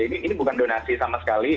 ini bukan donasi sama sekali